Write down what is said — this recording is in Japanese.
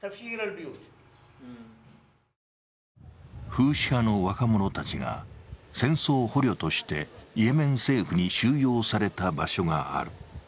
フーシ派の若者たちが戦争捕虜としてイエメン政府に収容された場所がある。